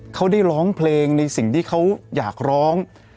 เขาได้ร้องเพลงในสิ่งที่เขาอยากร้อง